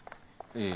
ええ。